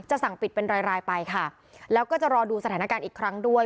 สั่งปิดเป็นรายรายไปค่ะแล้วก็จะรอดูสถานการณ์อีกครั้งด้วย